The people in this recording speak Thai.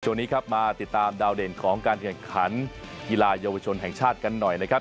ช่วงนี้ครับมาติดตามดาวเด่นของการแข่งขันกีฬาเยาวชนแห่งชาติกันหน่อยนะครับ